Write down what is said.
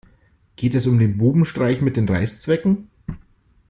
Geht es um den Bubenstreich mit den Reißzwecken?